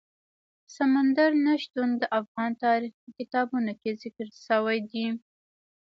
سمندر نه شتون د افغان تاریخ په کتابونو کې ذکر شوی دي.